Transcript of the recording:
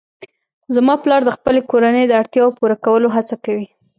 زما پلار د خپلې کورنۍ د اړتیاوو پوره کولو هڅه کوي